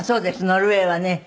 ノルウェーはね